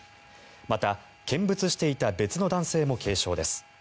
また、見物していた別の男性も軽傷です。